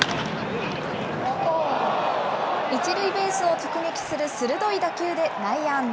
１塁ベースを直撃する鋭い打球で内野安打。